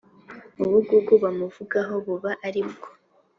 ubugugu bamuvugaho buba ari bwo.